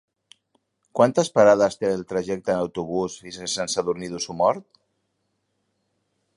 Quantes parades té el trajecte en autobús fins a Sant Sadurní d'Osormort?